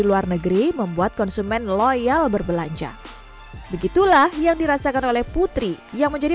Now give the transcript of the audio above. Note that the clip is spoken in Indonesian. luar negeri membuat konsumen loyal berbelanja begitulah yang dirasakan oleh putri yang menjadi